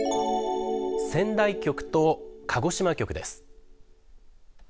仙台局と鹿児島局です。